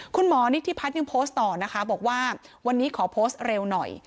คุณหมอนิธิพัฒน์ยังโพสต์ต่อนะคะบอกว่าวันนี้ขอโพสต์เร็วหน่อย